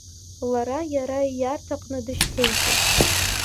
Лара иара ииарҭаҟны дышьҭеиҵеит.